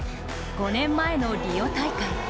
５年前のリオ大会。